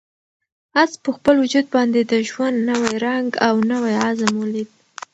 آس په خپل وجود باندې د ژوند نوی رنګ او نوی عزم ولید.